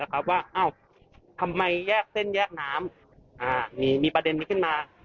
นะครับว่าอ้าวทำไมแยกเส้นแยกน้ำอ่ามีมีประเด็นนี้ขึ้นมา